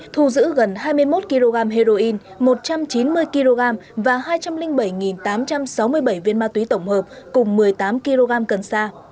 thu giữ gần hai mươi một kg heroin một trăm chín mươi kg và hai trăm linh bảy tám trăm sáu mươi bảy viên ma túy tổng hợp cùng một mươi tám kg cần sa